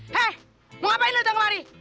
hei mau ngapain lu ditangkap hari